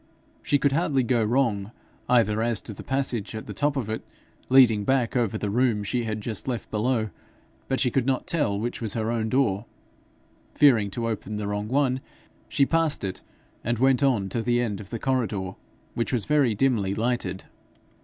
She could hardly go wrong either as to the passage at the top of it, leading back over the room she had just left below, but she could not tell which was her own door. Fearing to open the wrong one, she passed it and went on to the end of the corridor, which was very dimly lighted.